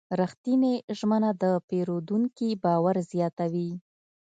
رښتینې ژمنه د پیرودونکي باور زیاتوي.